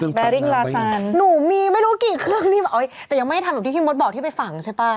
แบริ่งลาซานหนูมีไม่รู้กี่เครื่องนี่แบบแต่ยังไม่ได้ทำแบบที่พี่มดบอกที่ไปฝังใช่ป่ะ